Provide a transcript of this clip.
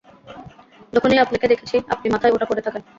যখনই আপনাকে দেখেছি, আপনি মাথায় ওটা পরে থাকেন।